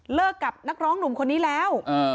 กับนักร้องหนุ่มคนนี้แล้ว